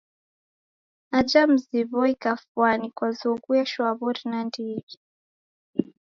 Aja mzinyi W'oi kafwani kwazoghuye shwaw'ori nandighi.